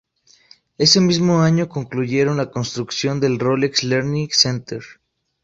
Ese mismo año concluyeron la construcción del Rolex Learning Center.